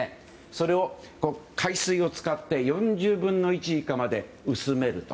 それを海水を使って４０分の１以下まで薄めると。